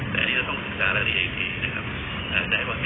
ท่านก็อันดูมาตรา๖๒ให้รู้กัดหลัก